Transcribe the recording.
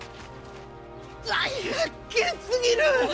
大発見すぎる！